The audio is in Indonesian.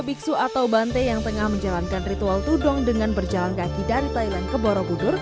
biksu atau bante yang tengah menjalankan ritual tudong dengan berjalan kaki dari thailand ke borobudur